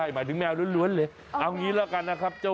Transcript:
อุ๊ยแมวแมวน่ารักมากเลยอ่ะโอ้โฮ